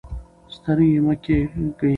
سترګۍ مه کیږئ.